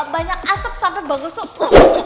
banyak asap sampe bagas tuh